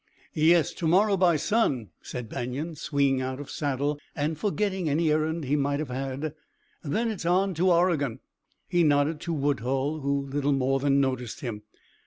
"Yes, to morrow by sun," said Banion, swinging out of saddle and forgetting any errand he might have had. "Then it's on to Oregon!" He nodded to Woodhull, who little more than noticed him.